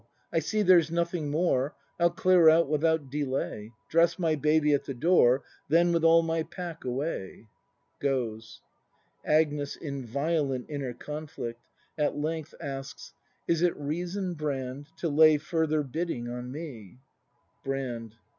I see there's nothing more. I'll clear out without delay. Dress my baby at the door — Then with all my pack away! [Goes. Agnes. [In violent inner conjiict; at length asks.] Is it reason, Brand, to lay Further biddipg on me ? Brand.